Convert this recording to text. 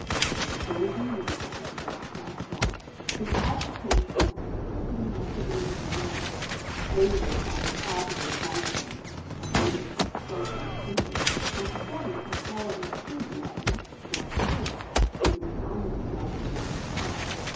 But the golden windfall did not last long. The agitation and the picketing activities of the union, aided by the Arbeiter Zeitung, a Yiddish socialist weekly, were spreading a spell of enthusiasm (or fear) to which my men gradually succumbed.